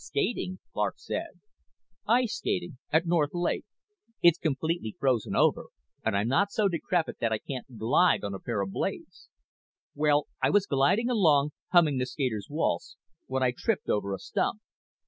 "Skating?" Clark said. "Ice skating. At North Lake. It's completely frozen over and I'm not so decrepit that I can't glide on a pair of blades. Well, I was gliding along, humming the Skater's Waltz, when I tripped over a stump.